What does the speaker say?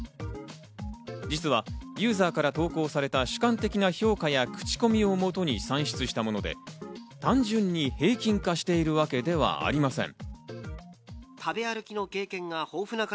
実はユーザーから投稿された主観的な評価や口コミをもとに算出したもので、単純に平均化しているわけではありません。